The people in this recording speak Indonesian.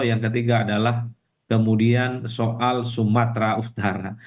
yang ketiga adalah kemudian soal sumatra ustara